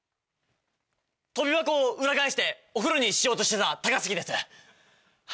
跳び箱を裏返してお風呂にしようとしてた高杉です。